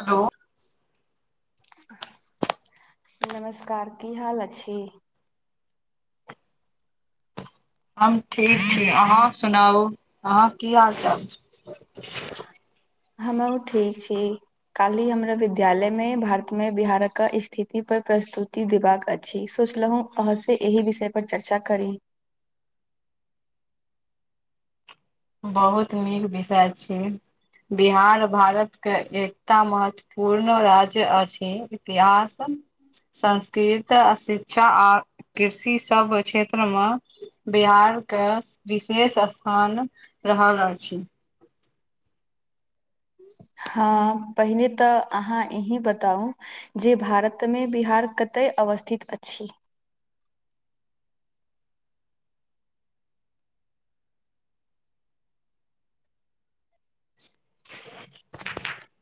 hello नमस्कार की हाल अछि हम ठीक छी अहाँ सुनाउ अहाँ की हालचाल हम ओ ठीक छी काल्हि हमरा विद्यालयमे भारतमे बिहारके स्थिति पर प्रस्तुति देबाक अछि सोचलहुँ अह से एहि विषय पर चर्चा करी बहुत नीक विषय छी बिहार भारत के एकता महत्व पूर्ण राज्य अछि छै इतिहास संस्कृर शिक्षा आ कृषि सब क्षेत्र मे बिहार के विशेष स्थान रहल अछि हँ पहिने तऽ अहाँ इही बताउ जे भारतमे बिहार कतय अवस्थित अछि [inaudible]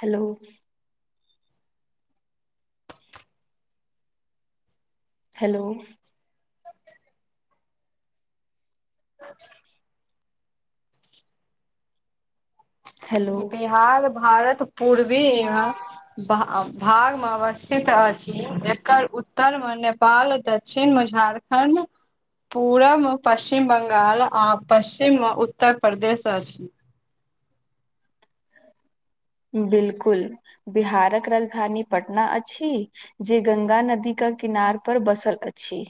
hello hello hello Bihar Bharat पूर्वी [unintelligible] भाग अवस्थित अछि एकर उत्तर मे नेपाल दक्षिण मे झारखण्ड पूरब मे पश्चिम बंगाल आ पश्चिम उत्तर प्रदेश अछि बिलकुल बिहारक राजधानी पटना अछि जे गंगा नदी क किनार पर बसल अछि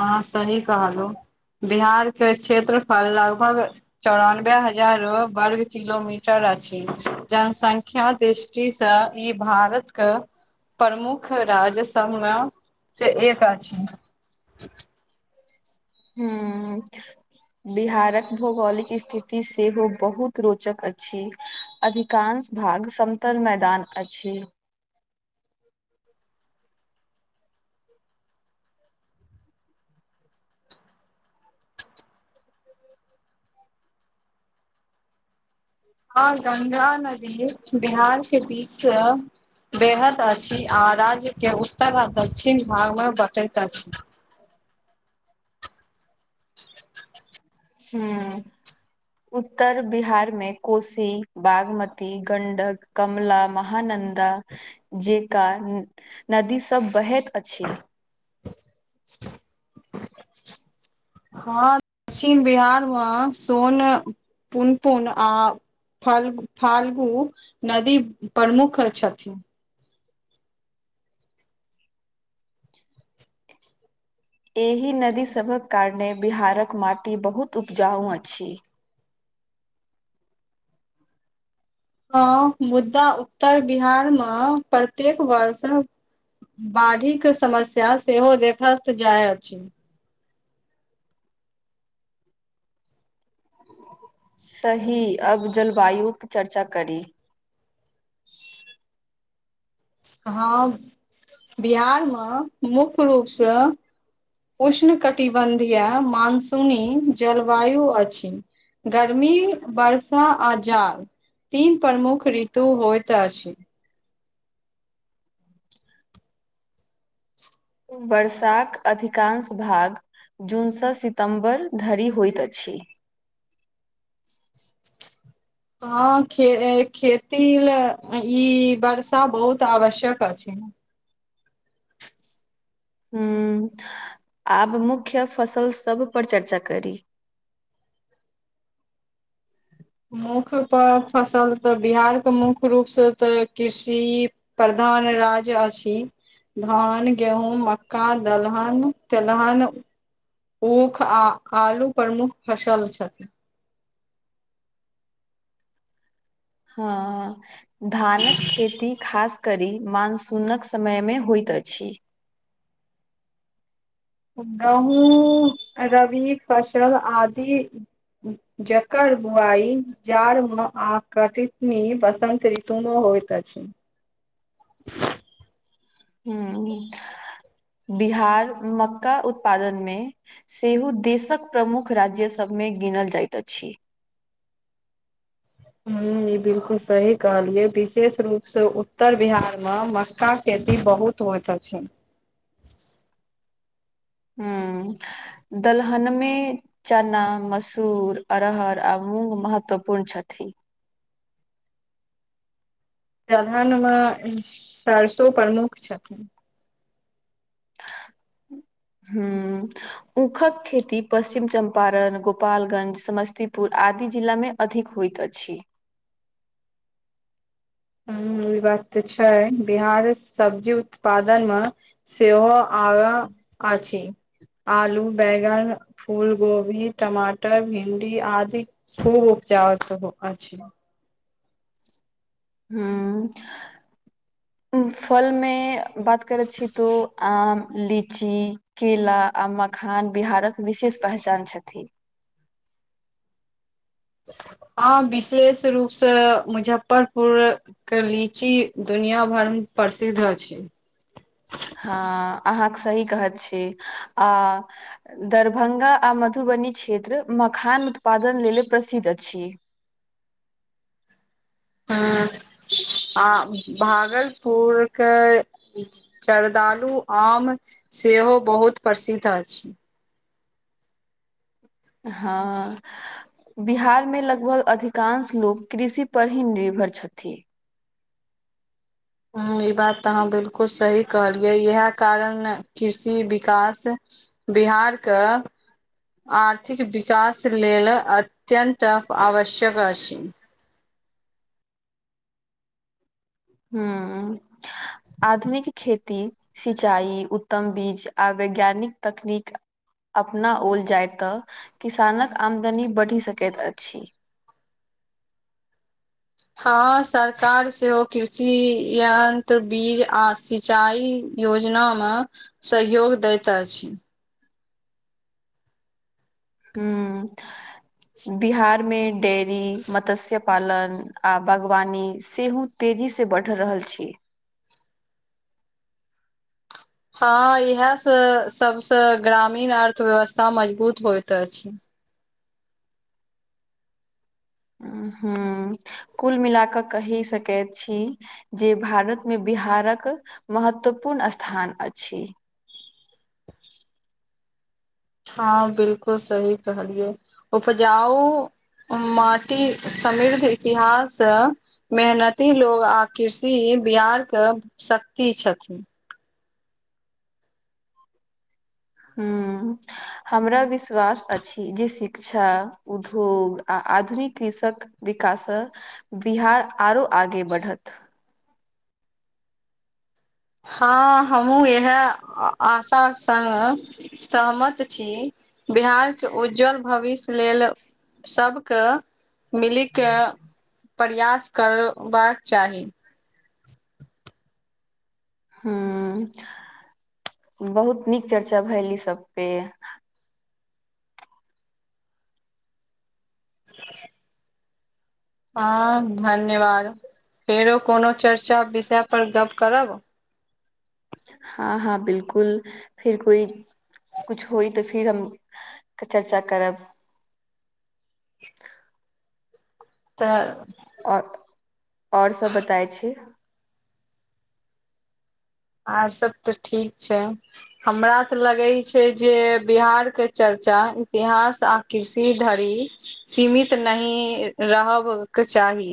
अह सही कहलहु बिहार के क्षेत्रफल लगभग चौरानबे हजार वर्ग किलोमीटर अछि जनसंख्या दिस जीसँ ई भारतके प्रमुख राज्य सबमे से एक अछि हँ बिहारक भौगोलिक स्थिति सेहो बहुत रोचक अछि अधिकांश भाग समतल मैदान अछि आ गंगा नदी बिहार के बीच सऽ बेहद अछि आ राज्य के उत्तर आ दक्षिण भागमे बँटैत अछि ह्म उत्तर बिहारमे कोशी बागमती गंडक कमला महानन्दा जेका नदी सब बहैत अछि हँ दक्षिण बिहारमे सोन पुनपुन आ फालगू फाल्गु नदी प्रमुख छथिन एहि नदी सबक कारणे बिहारक माटी बहुत उपजाउ अछि हँ मुदा उत्तर बिहारमे प्रत्येक वर्ष बाढ़ि के समस्या सेहो देखत जाइ अछि सही अब जलवायुक चर्चा करी हँ बिहारमे मुख्य रूपसँ उष्ण कटिबन्धीय मानसूनी जलवायु अछि गर्मी वर्षा आ जार तीन प्रमुख ऋतु होइत अछि वर्षाक अधिकांश भाग जूनसँ सितम्बर धरि होइत अछि हँ खे खेती लए ई वर्षा बहुत आवश्यक अछि ह्म आब मुख्य फसल सब पर चर्चा करी मुख्य प फसल तऽ बिहारके मुख्य रूपसँ तऽ कृषि प्रधान राज्य अछि धान गेहूँ मक्का दलहन तेलहन ऊख आ आलू प्रमुख फसल छथि हँ धानक खेती खास करी मानस उनक समय मे होइत अछि गहूँ रवि फसल आदि जकर बुआइ जाड़मे आकटितनी वसन्त ऋतुमे होइत अछि हूँ बिहार मक्का उत्पादन मे सेहो देशक प्रमुख राज्य सभमे गिनल जाइत अछि ह ई बिलकुल सही कहलियै विशेष रूपसँ उत्तर बिहारमे मक्काक खेती बहुत त होइत अछि ह्म दलहनमे चना मसूर अरहर आ मुंग महत्वपूर्ण छथिन दलहनमे सरसो प्रमुख छथिन [inaudible] हूँ ऊखक खेती पश्चिम चम्पारण गोपालगंज समस्तीपुर आदि जिलामे अधिक होइत छी ह ई बात ते छै बिहार सब्जी उत्पादन न सेहो आग अछी आलू बैगन फूल गोभी टमाटर भिणडी आदि खूब उपजा आर के गुफा छई ह फलमे बात करे छी तू आम ली लिची केला आ मखान बिहारक विशेष पहचान छथिन हँ विशेष रूपसँ मुजफ्फरपुर के लीची दुनिया भर मे प्रसिद्ध अछि हँ अहाँके सही कहत छी आ दरभंगा आ मधुबनी क्षेत्र मखान उत्पादन लेल प्रसिद्ध अछि हँ आ भागलपुरके चरदालु आम सेहो बहुत प्रसिद्ध अछि हँ बिहार मे लगभग अधिकांश लोग कृषि पर ही निर्भर छथि हँ ई बात तऽ अहाँ बिलकुल सही कहलियै इहे कारण कृषि विकास बिहार कऽ आर्थिक विकास लेल अत्यन्त आवश्यक अछि हूँ आधुनिक खेती सिचाई उत्तम बीज आ वैज्ञानिक तकनीक अपना ओल जाय तऽ किसानक आमदनी बढ़ि सकैत अछि हँ सरकार सेहो कृषि यंत्र बीज आ सिचाय योजना मे सहयोग दैत अछि हूँ बिहारमे डेरी मत्स्य पालन आ बागवानी सेहो तेजी से बढ़ि रहल छी हँ इएहसँ सभसँ ग्रामीण अर्थव्यवस्था मजबूत होइत अछि हूँ कुल मिला कऽ कहि सकैत छी जे भारत मे बिहारक महत्वपूर्ण स्थान अछि हँ बिलकुल सही कहलियै उपजाउ माटी समृद्ध इतिहास मेहनती लोग आ कृषि बिहार कऽ शक्ति छथि हुँ हमरा विश्वास अछि जे शिक्षा उद्योग आ आधुनिक कृषक विकास बिहार आरो आगे बढ़त हँ हमहुँ इएह आशा सँ सहमत छी बिहार कऽ उज्ज्वल भविष्य लेल सबके मिलीके प्रयास करबाक चाही हुँ बहुत नीक चर्चा भेल ई सब पे हँ धन्यवाद फेरो कोनो चर्चा विषय पर गप्प करब हँ हँ बिलकुल फेर कोइ कुछु होइ तऽ फिर हम चर्चा करब तऽ ओ और सभ बतैय छी और सब तऽ ठीक छै हमरा तऽ लगै छै जे बिहारके चर्चा इतिहास आ कृषि धरि सीमित नहि रहबक चाही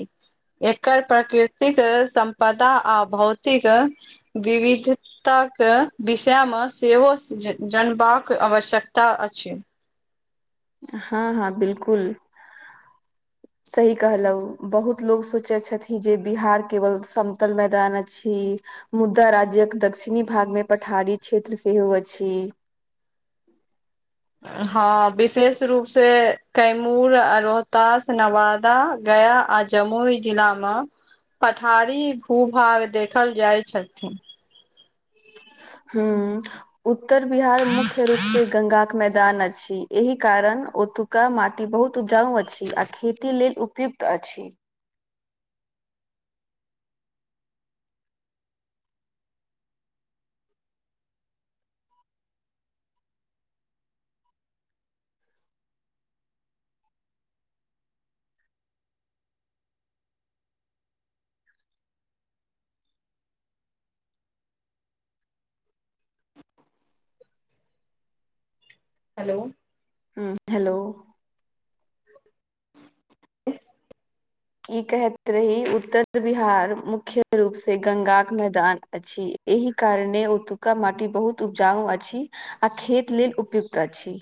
एकर प्रकृतिक सम्पदा आ भौतिक विविध ताक विषयमे सेहो जनबाक आवश्यकता अछि हँ हँ बिलकुल [inaudible] सही कहलहुँ बहुत लोक सोचैत छथिन जे बिहार केवल समतल मैदान अछि मुदा राज्यक दक्षिणी भाग मे पठारी क्षेत्र सेहो अछि हँ विशेष रूप से कैमूर, रोहतास, नवादा, गया आ जमुई जिला म पठारी भू - भाग देखल जाय छथि हूँ उत्तर बिहार मुख्य रूप से गंगा के मैदान अछि एहि कारण ओतुका माटी बहुत उपजाउ अछि आ खेती लेल उपयुक्त अछि हेलो हुँ हेलो [inaudible] कि कहैत रही उत्तर बिहार मुख्य रूप से गंगाक मैदान अछि एहि कारणे ओतुका माटी बहुत उपजाउ अछि आ खेत लेल उपयुक्त अछि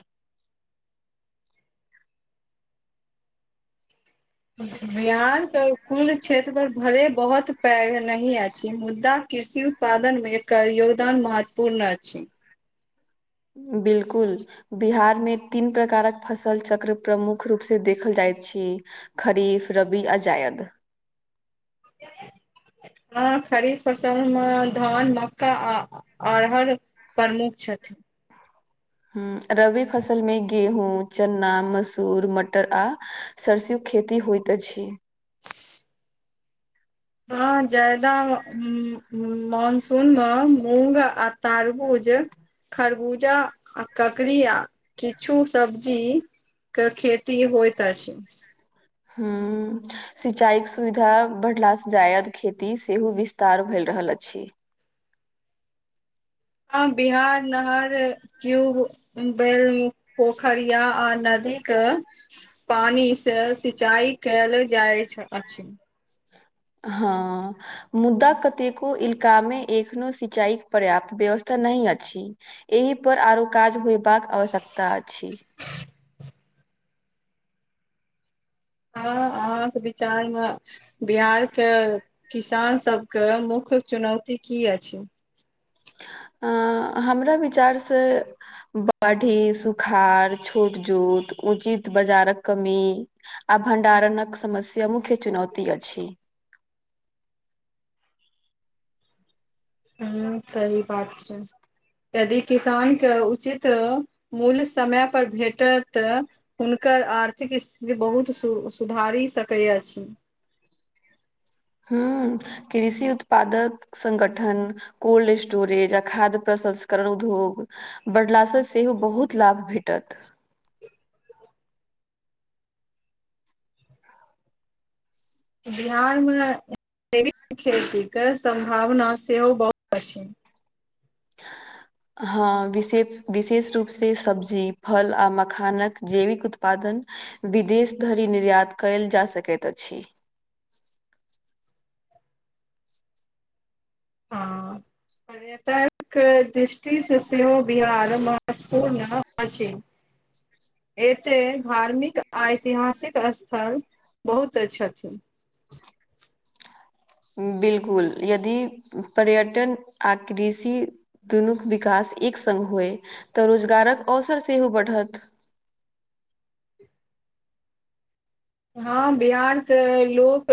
बिहारके कुल क्षेत्र पर भले बहुत पैघ नहि अछि मुद्दा कृषि उत्पादन मे एकर योगदान महत्वपूर्ण अछि बिलकुल बिहारमे तीन प्रकारक फसल चक्र प्रमुख रूप से देखल जायत छी खरीफ रबी आ जायद [inaudible] हँ खरीफ फसल मऽ धान मक्का आ अरहर प्रमुख छथि हुँ रबी फसल म गेहूँ चना मसूर मटर आ सरस्यू खेती होइत अछि हँ ज्यादा मनसून म मूंग आ तारबूज खरबूजा आ ककड़ी आ किछु सब्जी कऽ खेती होइत छै हुँ सिचाई कऽ सुविधा बढ़ला सँ जायद खेती सेहो विस्तार भेल रहल अछि हँ बिहार नहर क्यूब बेल पोखरिया आ नदी कऽ पानी से सिंचाई कयल जाय अछि हँ मुद्दा कतेको इलका मे एखनो सिंचाईक पर्याप्त व्यवस्था नहि अछि एहि पर आरो काज होयबाक आवश्यकता अछि हँ अहाँक विचार मऽ बिहारके किसानसभ कऽ मुख्य चुनौती की अछि अ हमरा विचारसँ बढ़ी सुखार छोटजूट उचित बाजारक कमी आ भंडारणक समस्या मुख्य चुनौती अछि हुँ सही बात छै यदि किसान के उचित मूल्य समय पर भेटत हुनकर आर्थिक स्थिति बहुत सु सुधारी सकै अछि हूँ कृषि उत्पादक संगठन कोल्ड स्टोरेज आ खाद्य प्रसंस्करण उद्योग बढ़लासँ सेहो बहुत लाभ भेटत बिहार मे जैविक खेती के सम्भावना सेहो बहुत अछि हँ विशेप विशेष रूप से सब्जी फल आ मखानक जैविक उत्पादन विदेश धरि निर्यात कयल जाइत सकैत अछि हँ पर्यटक दृष्टि सँ सेहो बिहार महत्वपूर्ण अछि एते धार्मिक आ ऐतिहासिक स्थल बहुत छथि बिल्कुल यदि पर्यटन आ कृषि दुनूक विकास एक संग होय तऽ रोजगारक अवसर सेहो बढ़त हँ बिहारके लोक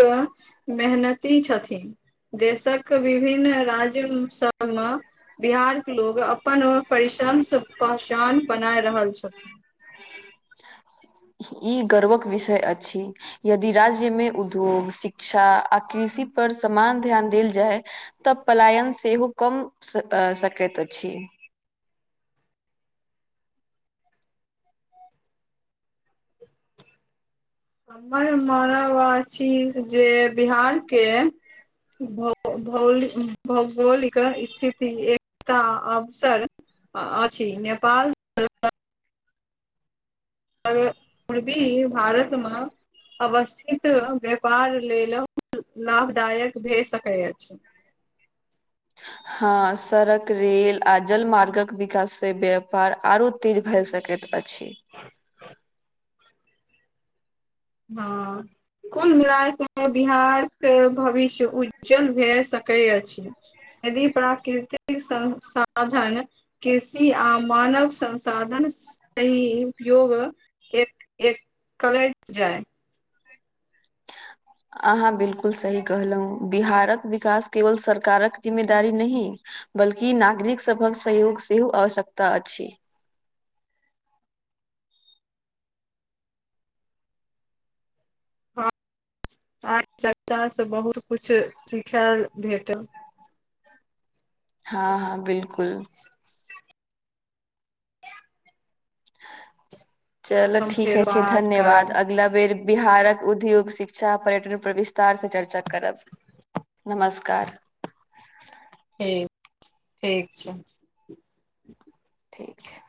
मेहनती छथि देशक विभिन्न राज्य सभ म बिहार के लोग अपन परिश्रम सँ पहचान बना रहल छथि ई गर्वक विषय अछि यदि राज्य मे उद्योग शिक्षा आ कृषि पर समान ध्यान देल जाय तऽ पलायन सेहो कम स सकैत अछि हमर मानवा चिज जे बिहार के भौ भौलिक भौगोलिक स्थिति एक त अवसर अछि नेपाल अर् पूर्वी भारत म अवस्थित व्यापार लेल लाभदायक भए सकै अछि हँ सड़क रेल आ जलमार्गक विकास से व्यापार आरो तेज भए सकैत अछि हं हं हँ‌ अं कुल मिलाय कऽ बिहार के भविष्य उज्ज्वल भए सकै अछि यदि प्राकृतिक संसाधन कृषि आ मानव संसाधन इ उपयोग एक एक कलैत जाइ अहाँ बिल्कुल सही कहल‌ऊं बिहारक विकास केवल सरकारक जिम्मेदारी नहिं बल्कि नागरिक सभक सहयोग सेहो आवश्यकता अछि हँ आइ चर्चा स बहुत कुछ सिखायल भेटल हँ हँ बिल्कुल अहाँ चल सब ठीक फेरो अछि बात धन्यवाद करब अ अगला बेर बिहारक उद्योग शिक्षा पर्यटन पर विस्तार स चर्चा करब नमस्कार ठीक ठीक छै ठीक छै